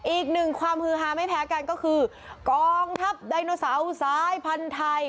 อีกหนึ่งความฮือฮาไม่แพ้กันก็คือกองทัพไดโนเสาร์สายพันธุ์ไทย